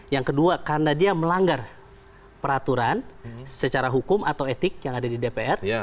yang kedua karena dia melanggar peraturan secara hukum atau etik yang ada di dpr